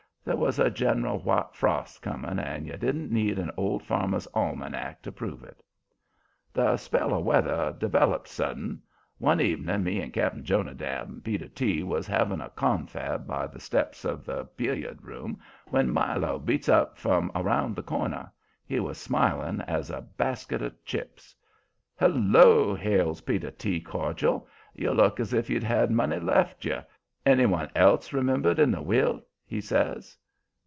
There was a general white frost coming, and you didn't need an Old Farmer's Almanac to prove it. The spell of weather developed sudden. One evening me and Cap'n Jonadab and Peter T. was having a confab by the steps of the billiard room, when Milo beats up from around the corner. He was smiling as a basket of chips. "Hello!" hails Peter T. cordial. "You look as if you'd had money left you. Any one else remembered in the will?" he says.